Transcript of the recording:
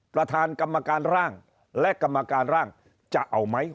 ประธานกรรมการร่างและกรรมการร่างจะเอาไหม